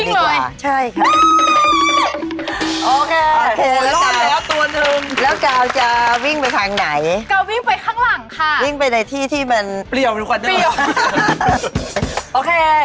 ลองแล้วไงเออ